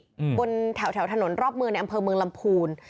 บนแถวแถวถนนรอบเมืองในอำเภอเมืองลำพูน